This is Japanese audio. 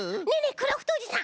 クラフトおじさん。